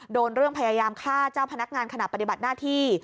โดนเรื่องพยายามฆ่าเจ้าพนักงานขณะปฏิบัติหน้าที่